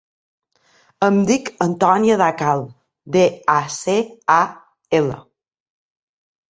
Em dic Antònia Dacal: de, a, ce, a, ela.